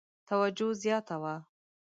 توجه زیاته وه.